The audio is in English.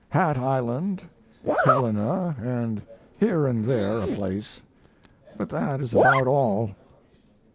Hat Island, Helena and here and there a place; but that is about all."